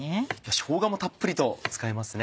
しょうがもたっぷりと使いますね。